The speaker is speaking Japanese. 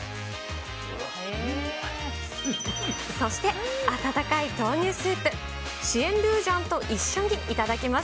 そして、温かい豆乳スープ、シエンドゥジャンと一緒に頂きます。